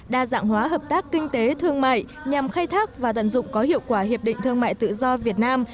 đa dạng hóa hợp tác kinh tế thương mại nhằm khai thác và tận dụng có hiệu quả hiệp định thương mại tự do việt nam